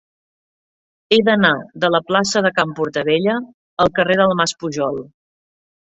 He d'anar de la plaça de Can Portabella al carrer del Mas Pujol.